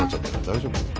大丈夫？